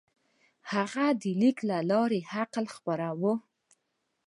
هغوی د لیک له لارې عقل خپراوه.